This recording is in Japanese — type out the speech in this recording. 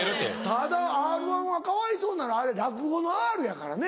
ただ『Ｒ−１』はかわいそうなのあれ「落語」の「Ｒ」やからね。